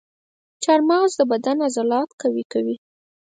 چارمغز د بدن عضلات قوي کوي.